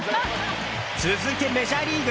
続いてメジャーリーグ。